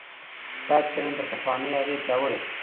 دا څېړنه تر پخوانۍ هغې پیاوړې ده.